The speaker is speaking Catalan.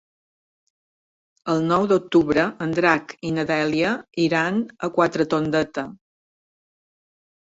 El nou d'octubre en Drac i na Dèlia iran a Quatretondeta.